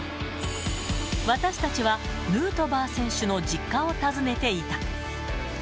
私たちはヌートバー選手の実家を訪ねていた。